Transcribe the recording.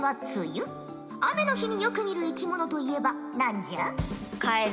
雨の日によく見る生き物といえば何じゃ？